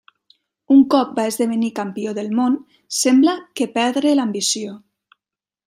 Un cop va esdevenir campió del món, sembla que perdre l'ambició.